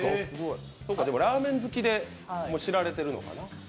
ラーメン好きで知られてるのかな？